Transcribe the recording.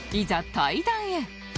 対談へ